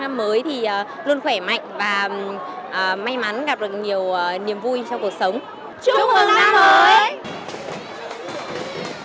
chúc mừng năm mới